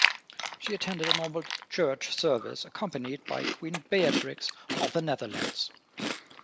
She attended a normal church service, accompanied by Queen Beatrix of the Netherlands.